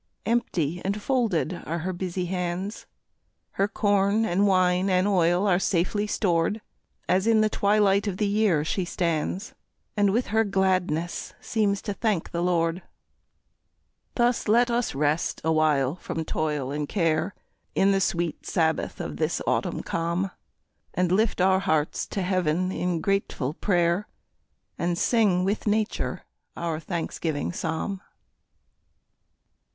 Empty and folded are her busy hands; Her corn and wine and oil are safely stored, As in the twilight of the year she stands, And with her gladness seems to thank the Lord. Thus let us rest awhile from toil and care, In the sweet sabbath of this autumn calm, And lift our hearts to heaven in grateful prayer, And sing with nature our thanksgiving psalm.